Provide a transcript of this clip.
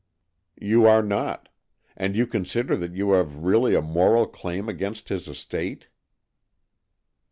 " You are not. And you consider that you have really a moral claim against his estate."